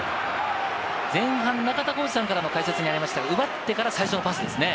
前半、中田さんからの解説もありましたが、奪ってから最初のパスですよね。